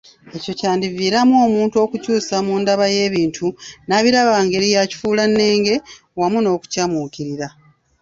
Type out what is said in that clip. Ekyo kyandiviiramu omuntu okukyusa mu ndaba y'ebintu, n'abiraba mu ngeri ya kifuulannenge, wamu n'okukyamuukirira